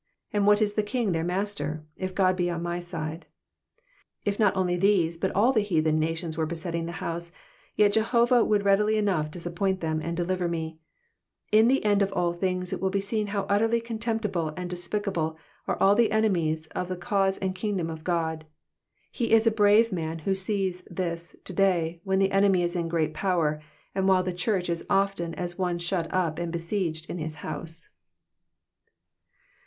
And what is the king their master, if God be on my side ? If not only these but all the heathen nations were besetting the house, yet Jehovah would readily enough disappoint them and deliver them. In the end of all things it will be seen how utterly contemptible and despicable are all the enemies of the cause and kingdom of God. He is a brave man who sees this to day when the enemy is in great power, and while the church is often as one shut up and besieged m his house.